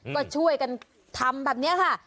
ก็ช่วยกันทำแบบนี้ค่ะ